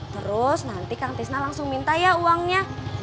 terus nanti kang tisnah langsung minta ya uangnya